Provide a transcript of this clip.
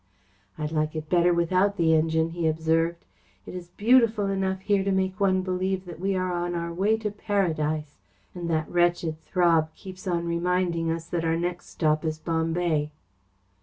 "I'd like it better without the engine," he observed. "It is beautiful enough here to make one believe that we are on our way to paradise, and that wretched throb keeps on reminding us that our next stop is Bombay."